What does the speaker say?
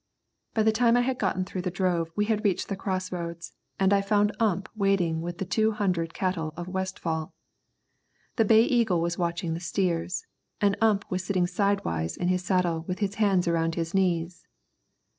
By the time I had gotten through the drove we had reached the crossroads, and I found Ump waiting with the two hundred cattle of Westfall. The Bay Eagle was watching the steers, and Ump was sitting sidewise in his saddle with his hands around his knees.